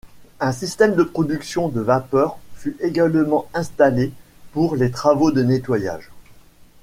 Un système de production de vapeur fut également installé pour les travaux de nettoyage.